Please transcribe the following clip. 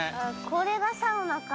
これがサウナか。